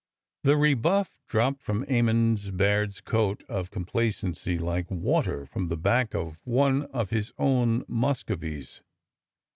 The rebuff dropped from Emmons Baird's coat of com placency like water from the back of one of his own mus covies.